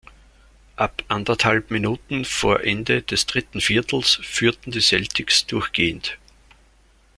Ab anderthalb Minuten vor Ende des dritten Viertels führten die Celtics durchgehend.